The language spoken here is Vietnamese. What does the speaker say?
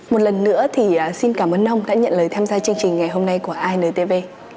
một lần nữa thì xin cảm ơn ông đã nhận lời tham gia chương trình ngày hôm nay của intv